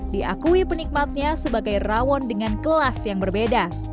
diakui penikmatnya sebagai rawon dengan kelas yang berbeda